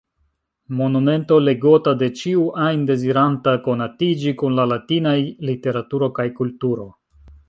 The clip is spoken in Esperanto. Monumento legota de ĉiu ajn deziranta konatiĝi kun la latinaj literaturo kaj kulturo.